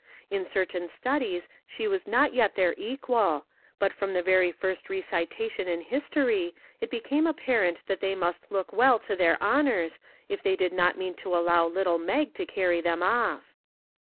In certain studies she was not yet their equal, but from the very first recitation in his tory it became apparent that they must look well to their honors if they did not mean to allow little Mag to carry them off.